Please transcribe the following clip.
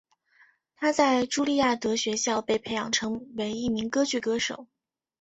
她在朱利亚德学校被培养成为一名歌剧歌手。